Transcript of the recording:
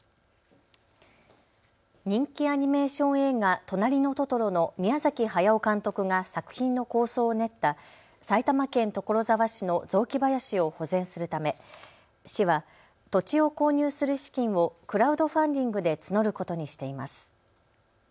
人気アニメーション映画、となりのトトロの宮崎駿監督が作品の構想を練った埼玉県所沢市の雑木林を保全するため市は土地を購入する資金をクラウドファンディングで募ることにしています。